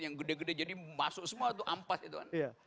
yang gede gede jadi masuk semua itu ampas itu kan